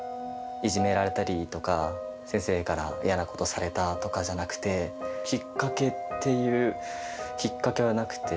いじめられたりとか、先生から嫌なことされたとかじゃなくて、きっかけっていうきっかけはなくて。